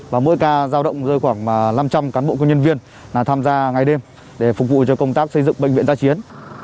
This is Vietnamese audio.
và mỗi ca giao động rơi khoảng năm trăm linh cán bộ công nhân viên tham gia ngay đêm để phục vụ cho công tác xây dựng bệnh viện gia chiến